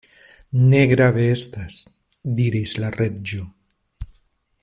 "Ne grave estas," diris la Reĝo.